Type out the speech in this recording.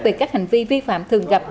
về các hành vi vi phạm thường gặp